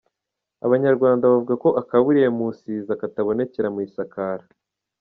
Abanyarwanda bavuga ko akaburiye mu isiza katabonekera mu isakara.